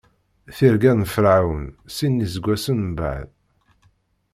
Tirga n Ferɛun Sin n iseggasen mbeɛd.